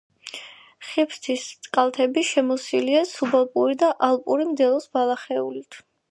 ხიფსთის კალთები შემოსილია სუბალპური და ალპური მდელოს ბალახეულით.